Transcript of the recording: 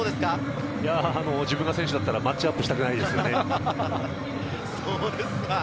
自分が選手だったらマッチアップしたくないですよね。